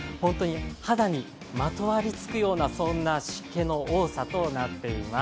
肌にまとわりつくようなそんな湿気の多さとなっています。